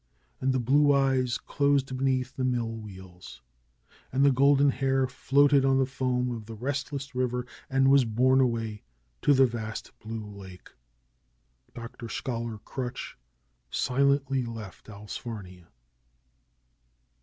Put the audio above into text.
And the blue eyes closed beneath the mill wheels. And the golden hair floated on the foam of the restless river and was borne away to the vast blue lake. Dr. Scholar Crutch silently left Allsfarnia.